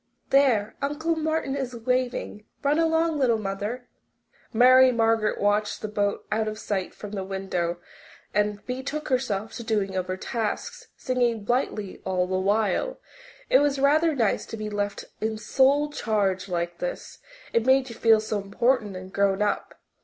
There, Uncle Martin is waving. Run along, little mother." Mary Margaret watched the boat out of sight from the window and then betook herself to the doing of her tasks, singing blithely all the while. It was rather nice to be left in sole charge like this it made you feel so important and grown up.